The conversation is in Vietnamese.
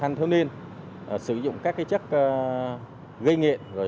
thành thương niên sử dụng các chất gây nghiện